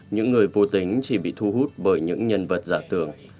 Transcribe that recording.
những người vô tính chỉ bị thu hút bởi những nhân vật giả tường